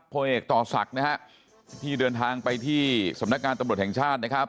พ่อเอกต่อศักดิ์นะฮะที่เดินทางไปที่สำนักงานตำรวจแห่งชาตินะครับ